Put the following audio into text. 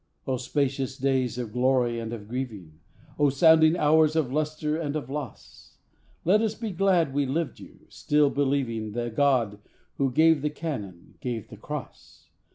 Oh spacious days of glory and of grieving! Oh sounding hours of lustre and of loss! Let us be glad we lived you, still believing The God who gave the cannon gave the Cross.